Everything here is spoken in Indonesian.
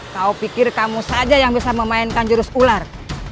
kau pikir kamu saja yang bisa memainkan jurus ular